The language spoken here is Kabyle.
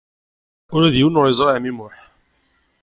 Ula d yiwen ur yeẓri ɛemmi Muḥ.